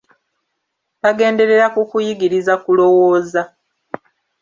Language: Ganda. Bagenderera ku kuyigiriza kulowooza.